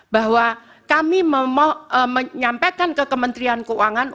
bahwa kami menyampaikan ke kementerian keuangan